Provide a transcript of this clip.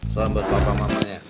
selamat bapak mamanya